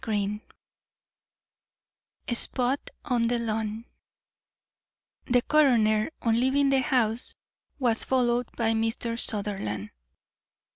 V A SPOT ON THE LAWN The coroner, on leaving the house, was followed by Mr. Sutherland.